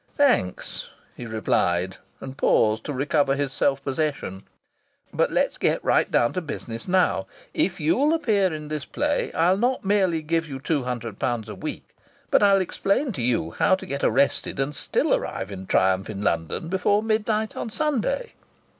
"Thanks!" he replied, and paused to recover his self possession. "But let's get right down to business now. If you'll appear in this play I'll not merely give you two hundred pounds a week, but I'll explain to you how to get arrested and still arrive in triumph in London before midnight on Sunday."